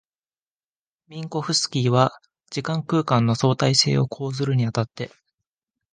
ミンコフスキーは時間空間の相対性を講ずるに当たって、